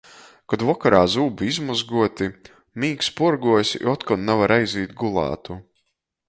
Kod vokorā zūbi izmozguoti, mīgs puorguojs i otkon navar aizīt gulātu.